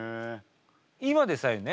今でさえね